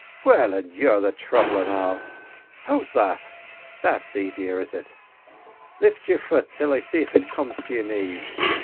—well, an' you're the trouble an' all. How's that? That's aisier, is it? Lift your fut till I see if it comes to your knees.